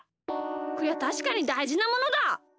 こりゃたしかにだいじなものだ！